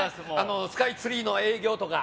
スカイツリーの営業とか。